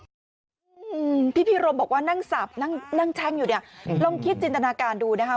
พี่พิรมบอกว่านั่งสับนั่งแช่งอยู่เนี่ยลองคิดจินตนาการดูนะคะ